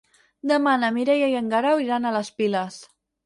Demà na Mireia i en Guerau iran a les Piles.